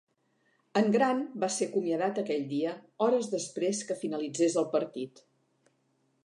En Grant va ser acomiadat aquell dia, hores després de que finalitzés el partit.